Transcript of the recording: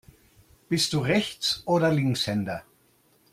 Bist du Rechts- oder Linkshänder?